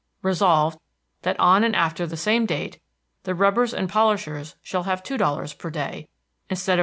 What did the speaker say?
Resolved, That on and after the same date, the rubbers and polishers shall have $2.00 per day, instead of $1.